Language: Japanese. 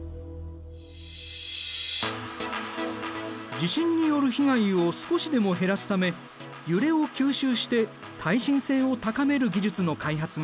地震による被害を少しでも減らすため揺れを吸収して耐震性を高める技術の開発が進んでいる。